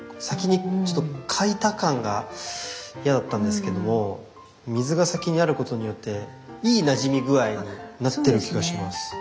先に描いた感が嫌だったんですけども水が先にあることによっていいなじみ具合になってる気がします。